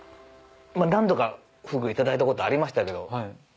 何度かフグいただいたことありましたけど。